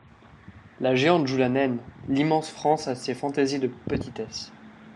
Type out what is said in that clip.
La géante joue la naine ; l’immense France a ses fantaisies de petitesse.